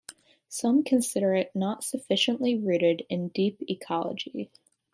Some consider it not sufficiently rooted in deep ecology.